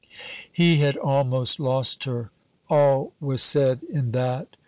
He had almost lost her. All was said in that.